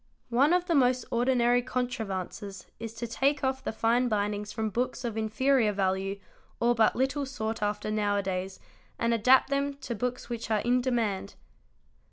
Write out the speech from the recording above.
One of the most ordinary contrivances is to take off the fine bindings from books of inferior value or but little sought after now a days and adapt them to books which are in demand.